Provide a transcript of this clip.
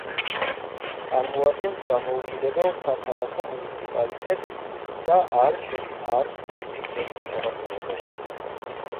წარმოადგენს დამოუკიდებელ საქალაქო მუნიციპალიტეტს და არ შედის არც ერთი თემის შემადგენლობაში.